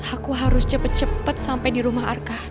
aku harus cepet cepet sampai di rumah arka